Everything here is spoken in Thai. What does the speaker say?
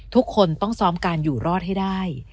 ทุกคนต้องซ้อมการอยู่รอดให้ได้